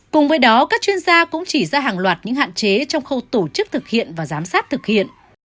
cùng với đó các chuyên gia cũng chỉ ra hàng loạt những hạn chế trong khâu tổ chức thực hiện và giám sát thực hiện